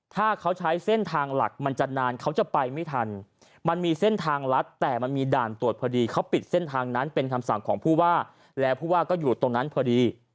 ถ้าเขาใช้เส้นทางหลักมันจะนานเขาจะไปไม่ทันมันมีเส้นทางลัดแต่มันมีด่านตรวจพอดีเขาปิดเส้นทางนั้นเป็นคำสั่งของผู้ว่าแล้วผู้ว่าก็อยู่ตรงนั้นพอดี